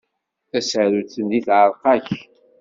Tasarut-nni teɛreq akk.